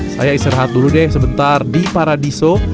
saya istirahat dulu deh sebentar di paradiso